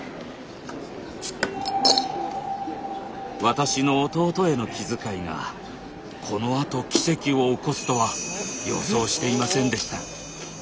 私の弟への気遣いがこのあと奇跡を起こすとは予想していませんでした。